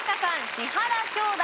千原兄弟